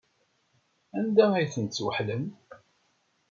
Anda ay tent-tesweḥlem?